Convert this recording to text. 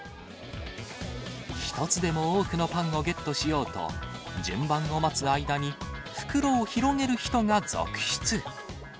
一つでも多くのパンをゲットしようと、順番を待つ間に袋を広げる人が続出。